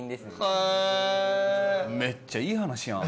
めっちゃいい話やん。